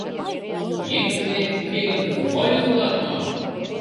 Еҥ улде, уке гын, вольык улат мо?